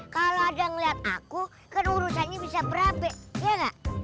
kalau ada yang lihat aku kan urusannya bisa berapa ya enggak